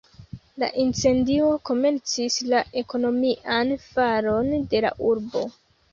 La incendio komencis la ekonomian falon de la urbo.